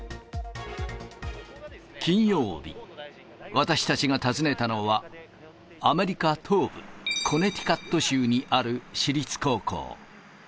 金曜日、私たちが訪ねたのはアメリカ東部コネティカット州にある私立高校。